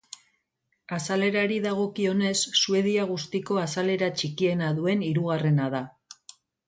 Azalerari dagokionez Suedia guztiko azalera txikiena duen hirugarrena da.